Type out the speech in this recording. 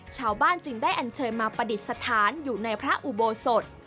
ชาวบ้านจึงได้อันเชิญมาประดิษฐานอยู่ในพระอุโบสถ